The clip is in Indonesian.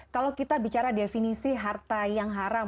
kalau kita bicara definisi harta yang haram